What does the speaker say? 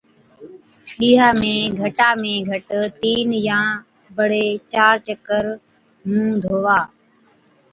ڏِيها ۾ گھٽا ۾ گھٽ تِين يان بڙي چار چڪر مُونه ڌوا